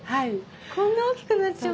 こんな大きくなっちゃうの？